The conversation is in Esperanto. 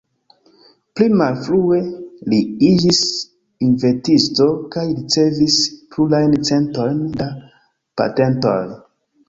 Pli malfrue, li iĝis inventisto kaj ricevis plurajn centojn da patentoj.